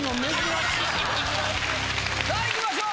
さあいきましょう！